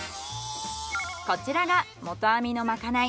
こちらが元網のまかない。